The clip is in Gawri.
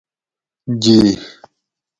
جی